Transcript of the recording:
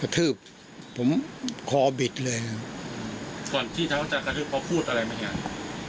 กระทืบผมคอบิดเลยอืมก่อนที่เขาจะกระทืบเขาพูดอะไรไม่งั้น